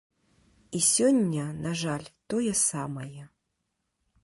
І сёння, на жаль, тое самае.